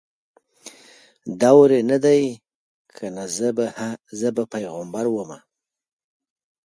دور یې نه دی کنه زه به پیغمبره ومه